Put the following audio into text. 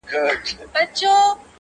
درواغ د ايمان زيان دئ.